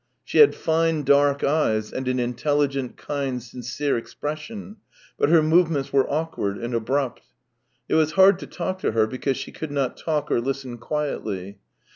She had fine, dark eyes, and an intelligent, kind, sincere expres sion, but her movements were awkward and abrupt. It was hard to talk to her, because she could not talk or listen quietly.